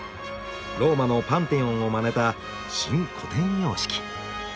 ローマのパンテオンをまねた新古典様式」。